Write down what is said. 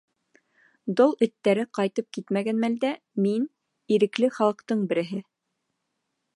Дол эттәре ҡайтып китмәгән мәлдә мин — Ирекле Халыҡтың береһе.